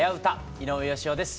井上芳雄です。